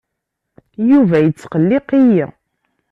Yuba yettqelliq-iyi.